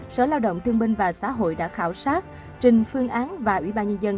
sở lao động thương binh và xã hội đã khảo sát trình phương án và ủy ban nhân dân